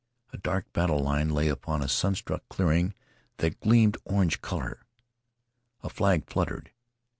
A dark battle line lay upon a sunstruck clearing that gleamed orange color. A flag fluttered.